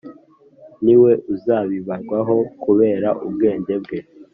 niwe uzabibarwaho kubera ubwenge bwe